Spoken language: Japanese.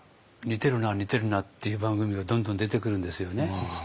似てるな似てるなっていう番組がどんどん出てくるんですよね。